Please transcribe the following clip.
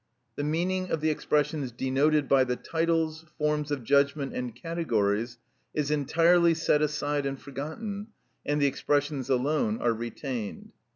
The meaning of the expressions denoted by the titles, forms of judgment and categories, is entirely set aside and forgotten, and the expressions alone are retained.